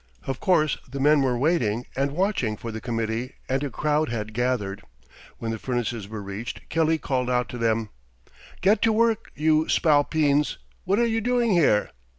Of course, the men were waiting and watching for the committee and a crowd had gathered. When the furnaces were reached, Kelly called out to them: "Get to work, you spalpeens, what are you doing here?